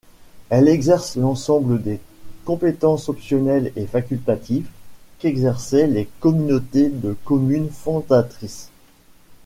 Elle exerce l'ensemble des compétences optionnelles et facultatives qu'exerçaient les communautés de communes fondatrices.